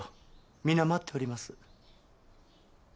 皆待っております。